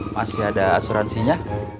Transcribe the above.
masih ada asuransinya